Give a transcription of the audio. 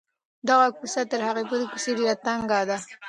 دغه کوڅه تر هغې بلې کوڅې ډېره تنګه ده.